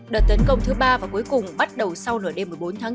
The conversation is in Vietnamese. đợt tấn công thứ ba và cuối cùng bắt đầu sau nửa đêm một mươi bốn tháng bốn